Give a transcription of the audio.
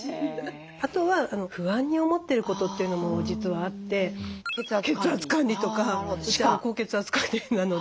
あとは不安に思ってることというのも実はあって血圧管理とかうちは高血圧家系なので。